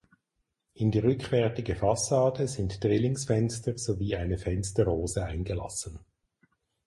In die rückwärtige Fassade sind Drillingsfenster sowie eine Fensterrose eingelassen.